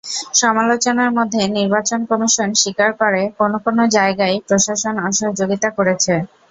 সমালোচনার মধ্যে নির্বাচন কমিশন স্বীকার করে, কোনো কোনো জায়গায় প্রশাসন অসহযোগিতা করেছে।